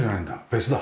別だ。